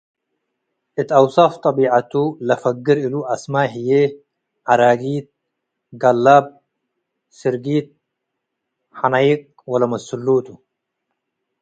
እት አውሳፍ ጠቢዐቱ ለፈግር እሉ አስማይ ህዬ፦- ዐራጊት፣ ጋላብ፡፣ ስርጊት፣ ሐነይቅ፡...ወለመስሉ ቱ ።